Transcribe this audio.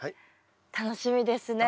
楽しみですね。